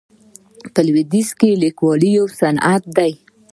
په لویدیځ کې لیکوالي یو صنعت دی.